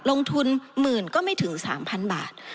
ลงทุนหมื่นก็ไม่ถึง๓๐๐บาท